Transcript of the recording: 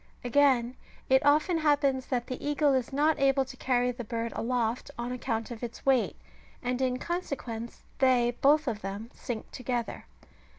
Again, it often happens that the eagle is not able to carry the bird aloft on account of its weight, and in consequence they both of them sink together.